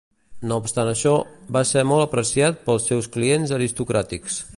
No obstant això, va ser molt apreciat pels seus clients aristocràtics.